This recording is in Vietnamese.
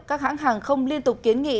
các hãng hàng không liên tục kiến nghị